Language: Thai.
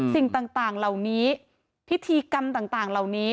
สิ่งต่างเหล่านี้พิธีกรรมต่างเหล่านี้